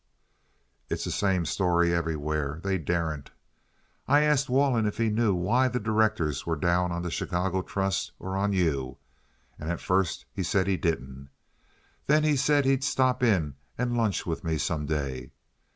It's the same story everywhere—they daren't. I asked Wallin if he knew why the directors were down on the Chicago Trust or on you, and at first he said he didn't. Then he said he'd stop in and lunch with me some day.